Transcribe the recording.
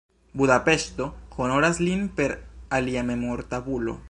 Budapeŝto honoras lin per alia memortabulo.